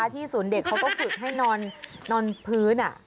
ศูนย์เด็กเขาก็ฝึกให้นอนพื้น